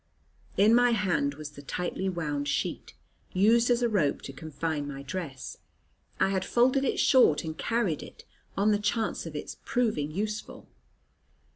In my hand was the tightly wound sheet, used as a rope to confine my dress. I had folded it short and carried it, on the chance of its proving useful.